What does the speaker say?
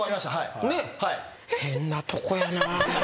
変なとこやな。